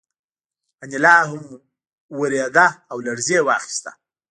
انیلا هم وورېده او لړزې واخیسته